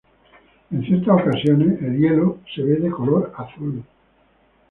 En ciertas ocasiones el hielo se ve de color azul.